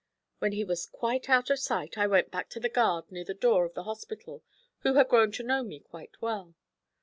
When he was quite out of sight I went back to the guard near the door of the hospital, who had grown to know me quite well.